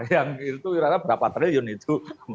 yang itu rupiahnya berapa triliun itu